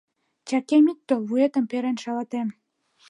— Чакем ит тол, вуетым перен шалатем!